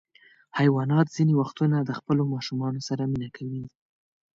حیوانات ځینې وختونه د خپلو ماشومانو سره مینه کوي.